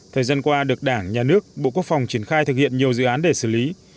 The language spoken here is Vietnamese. thời gian qua được đảng nhà nước bộ quốc phòng triển khai thực hiện nhiều dự án để xử lý